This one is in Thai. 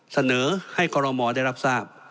เสนอให้คอรมอลได้รับทราบ